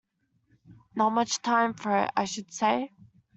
Not much time for it, I should say?